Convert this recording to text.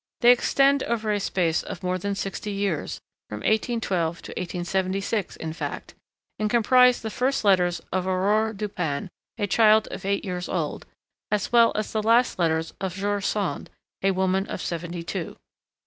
They extend over a space of more than sixty years, from 1812 to 1876, in fact, and comprise the first letters of Aurore Dupin, a child of eight years old, as well as the last letters of George Sand, a woman of seventy two.